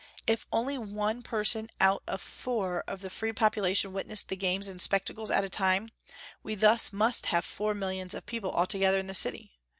If only one person out of four of the free population witnessed the games and spectacles at a time, we thus must have four millions of people altogether in the city.